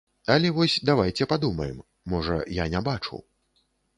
Але вось давайце падумаем, можа, я не бачу.